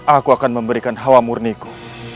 aku akan memberikan hawa murniku